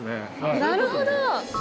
なるほど。